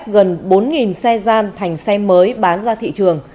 dùng phép gần bốn xe gian thành xe mới bán ra thị trường